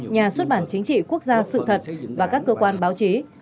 nhà xuất bản chính trị quốc gia sự thật và các cơ quan báo chí